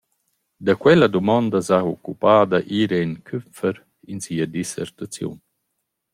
Da quella dumonda s’ha occupada Irene Küpfer in sia dissertaziun.